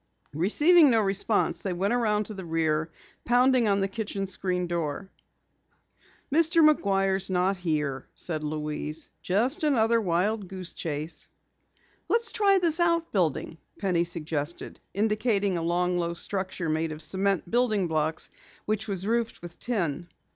Receiving no response, they went around to the rear, pounding on the kitchen screen door. "Mr. McGuire's not here," said Louise. "Just another wild goose chase." "Let's try this out building," Penny suggested, indicating a long, low structure made of cement building blocks which was roofed with tin.